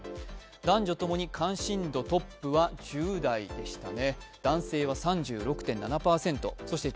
男女ともに関心度トップは１０代でしたね。